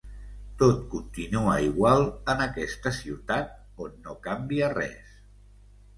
Tot continua igual en aquesta ciutat on no canvia res.